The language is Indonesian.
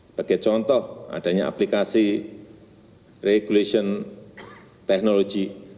sebagai contoh adanya aplikasi regulation technology